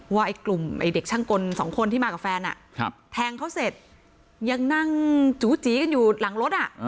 ไอ้กลุ่มไอ้เด็กช่างกลสองคนที่มากับแฟนแทงเขาเสร็จยังนั่งจูจีกันอยู่หลังรถ